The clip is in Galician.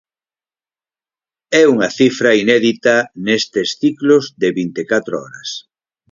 É unha cifra inédita nestes ciclos de vinte e catro horas.